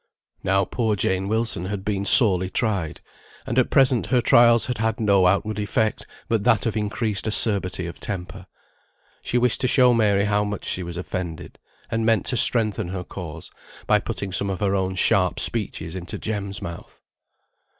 Now, poor Jane Wilson had been sorely tried; and at present her trials had had no outward effect, but that of increased acerbity of temper. She wished to show Mary how much she was offended, and meant to strengthen her cause, by putting some of her own sharp speeches into Jem's mouth.